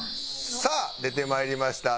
さあ出てまいりました。